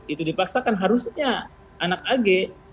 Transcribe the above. itu dipaksakan harusnya anak ag